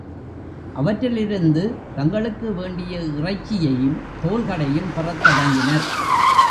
அவற்றிலிருந்து தங்களுக்கு வேண்டிய இறைச்சியையும், தோல்களையும் பெறத் தொடங்கினர்.